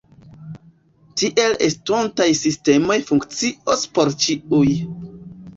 Tiel estontaj sistemoj funkcios por ĉiuj.